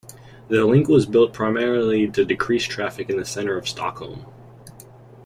The link was built primarily to decrease traffic in the centre of Stockholm.